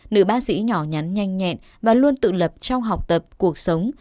nữ bác sĩ nhỏ nhắn nhanh nhẹn và luôn tự lập trong học tập cuộc sống